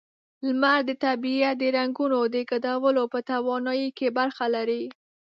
لمر د طبیعت د رنگونو د ګډولو په توانایۍ کې برخه لري.